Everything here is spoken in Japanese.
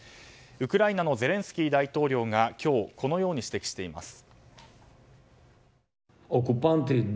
ウクライナのゼレンスキー大統領が今日、このように指摘しています。